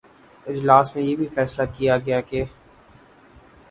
اجلاس میں یہ بھی فیصلہ کیا گیا کہ